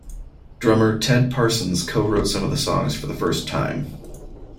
Drummer Ted Parsons co-wrote some of the songs for the first time.